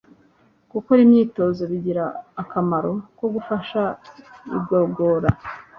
Gukora imyitozo bigira akamaro ko gufasha igogora